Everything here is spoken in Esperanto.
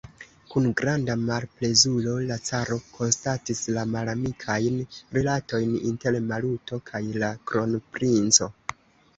Kun granda malplezuro la caro konstatis la malamikajn rilatojn inter Maluto kaj la kronprinco.